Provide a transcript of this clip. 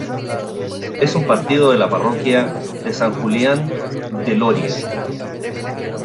Es un partido de la parroquia de San Julián de Loria.